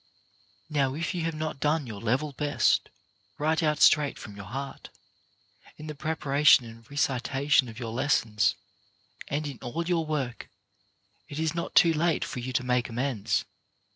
Now, if you have not done your level best, right out straight from your heart, in the preparation and recitation of your lessons, and in all your work, it is not too late for you to make amends.